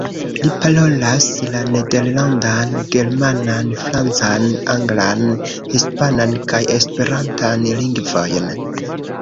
Li parolas la Nederlandan, Germanan, Francan, Anglan, Hispanan, kaj Esperantan lingvojn.